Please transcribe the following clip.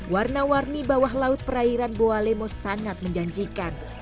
warna warni bawah laut perairan boa lemos sangat menjanjikan